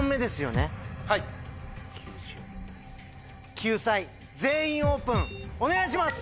救済「全員オープン」お願いします！